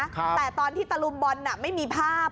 แต่ตอนที่ตะลุมบอลไม่มีภาพ